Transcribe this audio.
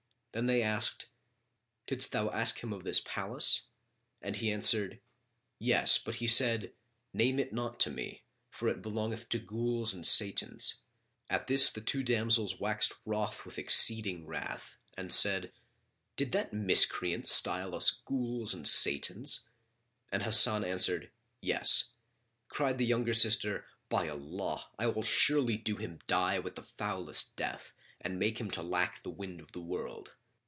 Then they asked, "Didst thou ask him of this palace?"; and he answered, "Yes, but he said, 'Name it not to me; for it belongeth to Ghuls and Satans.'" At this, the two damsels waxed wroth with exceeding wrath and said, "Did that miscreant style us Ghuls and Satans?" And Hasan answered, "Yes." Cried the younger sister, "By Allah, I will assuredly do him die with the foulest death and make him to lack the wind of the world!"